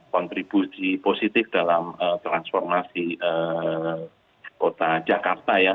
kontribusi positif dalam transformasi kota jakarta ya